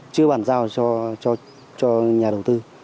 chưa bàn giao cho nhà đầu tư